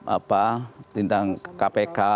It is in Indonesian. apa tentang kpk